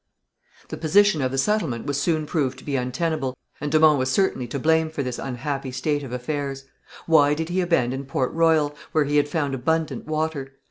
The position of the settlement was soon proved to be untenable, and de Monts was certainly to blame for this unhappy state of affairs. Why did he abandon Port Royal, where he had found abundant water?